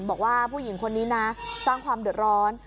บอกว่าผู้หญิงคนนี้นะสร้างความเดือดร้อน